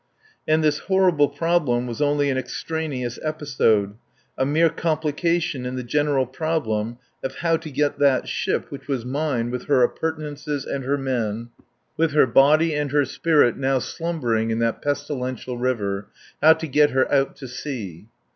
And this horrible problem was only an extraneous episode, a mere complication in the general problem of how to get that ship which was mine with her appurtenances and her men, with her body and her spirit now slumbering in that pestilential river how to get her out to sea.